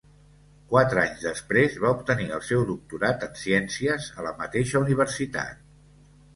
Quatre anys després va obtenir el seu doctorat en ciències a la mateixa universitat.